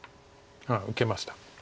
受けました。